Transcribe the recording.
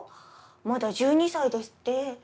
まだ１２歳ですって。